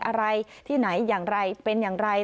อะไรที่ไหนอย่างไรเป็นอย่างไร